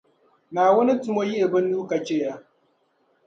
Naawuni tumo yihi bɛ nuu ka chɛ ya.